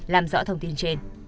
làm rõ thông tin trên